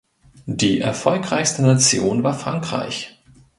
Die erfolgreichste Nation war Frankreich.